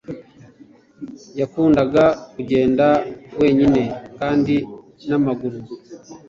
yakundaga kugenda wenyine kandi n' amaguru